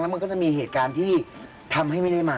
มันก็จะมีเหตุการณ์ที่ทำให้ไม่ได้มา